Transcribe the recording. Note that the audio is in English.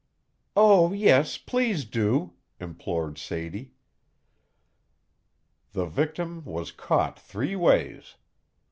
"Oh, yes, please do!" implored Sadie. The victim was caught three ways.